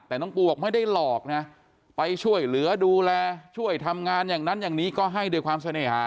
แต่น้องปูบอกไม่ได้หลอกนะไปช่วยเหลือดูแลช่วยทำงานอย่างนั้นอย่างนี้ก็ให้ด้วยความเสน่หา